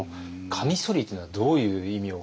カミソリというのはどういう意味を込めて？